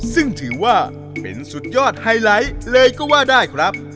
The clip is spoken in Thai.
ซึ่งถือว่าเป็นสุดยอดไฮไลท์เลยก็ว่าได้ครับ